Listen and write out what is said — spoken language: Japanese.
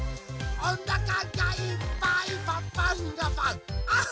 おなかがいっぱいパパンがパン！あっ！